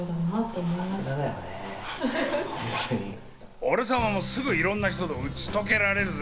俺様もすぐいろんな人と打ち解けられるぜ。